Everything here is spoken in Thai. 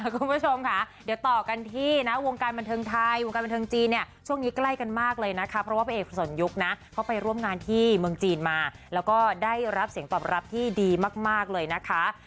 คุณผู้ชมค่ะเดี๋ยวต่อกันที่นะวงการบันเทิงไทยวงการบันเทิงจีนเนี่ยช่วงนี้ใกล้กันมากเลยนะคะเพราะว่าพระเอกสนยุคนะเขาไปร่วมงานที่เมืองจีนมาแล้วก็ได้รับเสียงตอบรับที่ดีมากเลยนะคะ